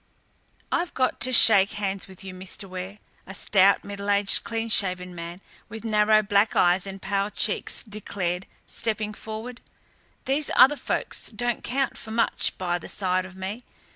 "I've got to shake hands with you, Mr. Ware," a stout, middle aged, clean shaven man, with narrow black eyes and pale cheeks, declared, stepping forward. "These other folk don't count for much by the side of me.